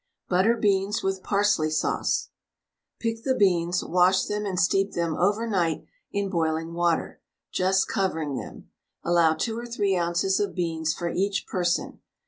BUTTER BEANS WITH PARSLEY SAUCE. Pick the beans, wash them and steep them over night in boiling water, just covering them. Allow 2 or 3 oz. of beans for each person.